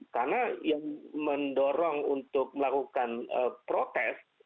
karena yang mendorong untuk melakukan protes